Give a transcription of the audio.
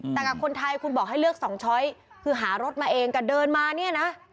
แต่กับคนไทยคุณบอกให้เลือก๒ช้อยคือหารถมาเองก็เดินมาเนี่ยนะ